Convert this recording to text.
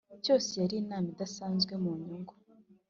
cyose hari inama idasanzwe mu nyungu